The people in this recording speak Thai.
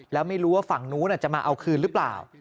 แล้วไม่รู้ว่าฝั่งนู้นจะมาเอาคืนหรือเปล่า